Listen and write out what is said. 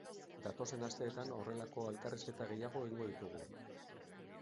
Datozen asteetan horrelako elkarrizketa gehiago egingo ditugu.